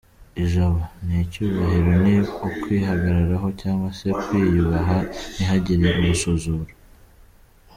Ijabo: ni icyubahiro, ni ukwihagararaho cyangwa se kwiyubaha ntihagire ugusuzura.